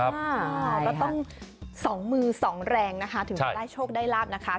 ก็ต้อง๒มือสองแรงนะคะถึงจะได้โชคได้ลาบนะคะ